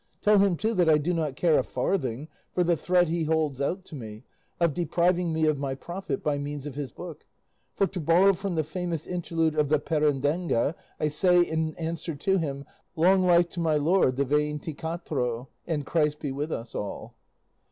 Tell him, too, that I do not care a farthing for the threat he holds out to me of depriving me of my profit by means of his book; for, to borrow from the famous interlude of "The Perendenga," I say in answer to him, "Long life to my lord the Veintiquatro, and Christ be with us all."